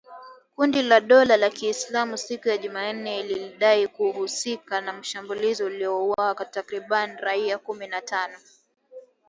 Kundi la dola ya Kiislamu siku ya Jumanne lilidai kuhusika na shambulizi lililoua takribani raia kumi na tano